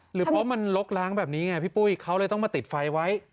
หรือเพราะมันลกล้างแบบนี้ไงพี่ปุ้ยเขาเลยต้องมาติดไฟไว้